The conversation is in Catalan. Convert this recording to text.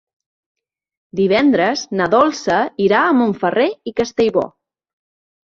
Divendres na Dolça irà a Montferrer i Castellbò.